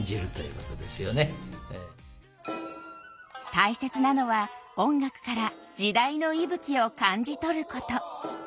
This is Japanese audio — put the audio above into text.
大切なのは音楽から時代の息吹を感じ取ること。